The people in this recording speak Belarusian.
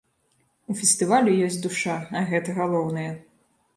У фестывалю ёсць душа, а гэта галоўнае.